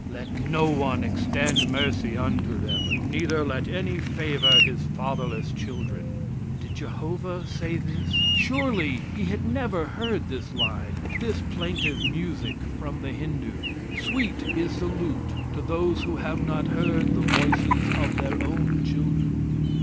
Let no one extend mercy unto them, neither let any favor his fatherless children." Did Jehovah say this? Surely He had never heard this line this plaintive music from the Hindoo: "Sweet is the lute to those who have not heard the voices of their own children."